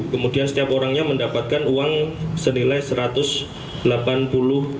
kemudian setiap orangnya mendapatkan uang senilai rp satu ratus delapan puluh